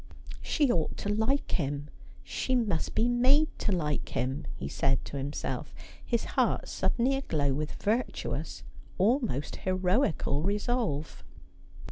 ' She ought to like him ; she must be made to like him,' he said to himself, his heart suddenly aglow with virtuous, almost heroical resolve.